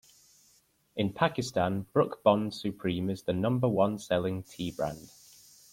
In Pakistan, Brooke Bond Supreme is the number-one-selling tea brand.